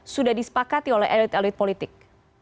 sudah disepakati oleh elit elit politik